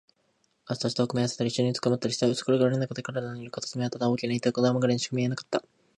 腕と脚とを組み合わせたり、いっしょにうずくまったりした。薄暗がりのなかで、彼らのいる片隅はただ大きな糸玉ぐらいにしか見えなかった。